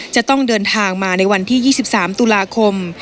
จะต้องเดินทางมาในวันที่๒๓ตุลาคม